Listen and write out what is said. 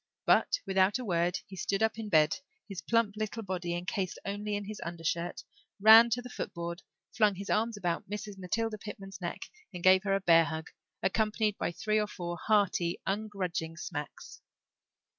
But without a word he stood up in bed, his plump little body encased only in his undershirt, ran to the footboard, flung his arms about Mrs. Matilda Pitman's neck, and gave her a bear hug, accompanied by three or four hearty, ungrudging smacks.